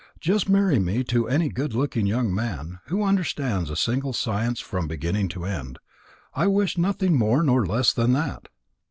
Just marry me to any good looking young man, who understands a single science from beginning to end. I wish nothing more nor less than that."